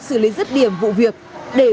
từ đặc điểm xe